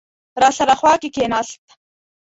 راسره خوا کې کېناست.